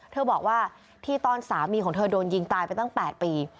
เธอบอกว่าที่ตอนสามีของเธอโดนยิงตายไปตั้ง๘ปี